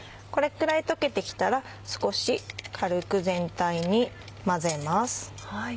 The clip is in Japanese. これくらい溶けて来たら少し軽く全体に混ぜます。